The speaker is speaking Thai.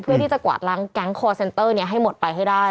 เพื่อที่จะกวาดล้างแก๊งคอร์เซนเตอร์นี้ให้หมดไปให้ได้